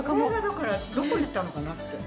だからどこにいったのかなって。